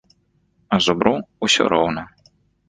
А зубру ўсё роўна.